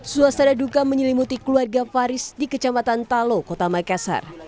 suasana duka menyelimuti keluarga faris di kecamatan talo kota makassar